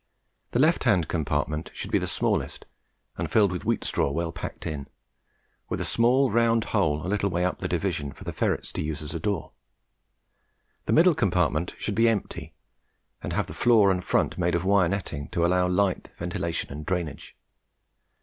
The left hand compartment should be the smallest and filled with wheat straw well packed in, with a small round hole a little way up the division, for the ferrets to use as a door. The middle compartment should be empty and have the floor and front made of wire netting, to allow light, ventilation and drainage.